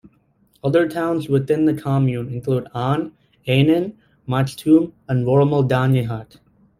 Other towns within the commune include Ahn, Ehnen, Machtum, and Wormeldange-Haut.